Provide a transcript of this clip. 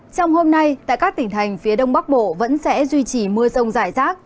trong hôm nay tại các tỉnh thành phía đông bắc bộ vẫn sẽ duy trì mưa rông rải rác